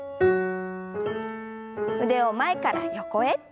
腕を前から横へ。